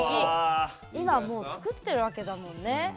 もう作ってるわけだもんね。